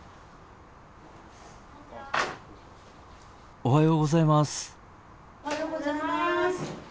おはようございます。